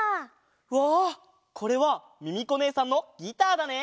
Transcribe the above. うわこれはミミコねえさんのギターだね。